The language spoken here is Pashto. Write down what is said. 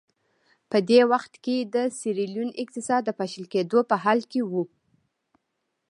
په دې وخت کې د سیریلیون اقتصاد د پاشل کېدو په حال کې و.